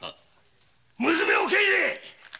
娘を返せ！